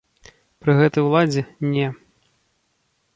Пры гэтай уладзе, не.